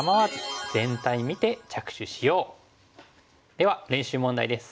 では練習問題です。